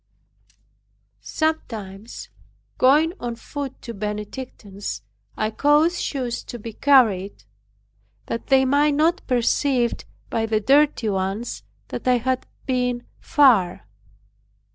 Sometimes going on foot to the Benedictines, I caused shoes to be carried, that they might not perceive by the dirty ones that I had been far.